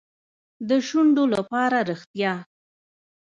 د شونډو لپاره ریښتیا.